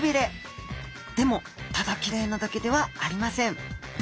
でもただきれいなだけではありません。